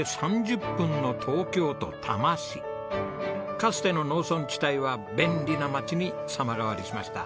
かつての農村地帯は便利な町に様変わりしました。